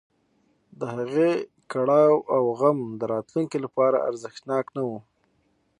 د هغې کړاو او غم د راتلونکي لپاره ارزښتناک نه و.